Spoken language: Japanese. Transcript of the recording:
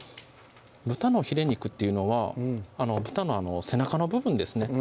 豚のヒレ肉っていうのは豚の背中の部分ですね